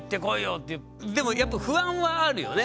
でもやっぱ不安はあるよね？